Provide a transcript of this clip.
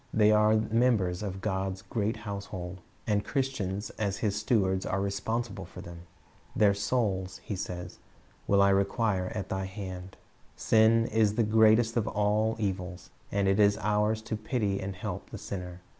They are members of God's great household, and Christians as His stewards are responsible for them. "Their souls," He says, "will I require at thine hand." Sin is the greatest of all evils, and it is ours to pity and help the sinner.